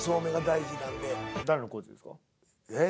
えっ？